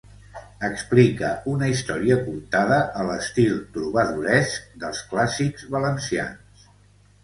Explica una història contada a l'estil trobadoresc dels clàssics valencians.